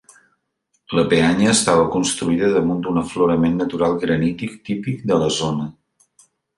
La peanya estava construïda damunt d'un aflorament natural granític típic de la zona.